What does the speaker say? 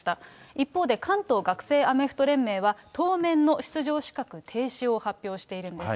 一方で関東学生アメフト連盟は、当面の出場資格停止を発表しているんです。